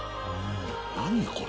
何これ。